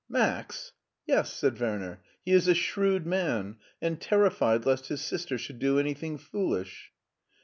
"Max!" "Yes," said Werner; "he is a shrewd man, and terrified lest his sister should do anything foolish."